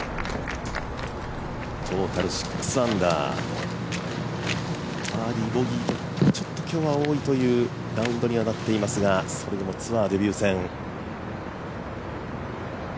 トータル６アンダー、バーディー、ボギーとちょっと今日は多いというラウンドになっていますがそれでもツアーデビュー戦。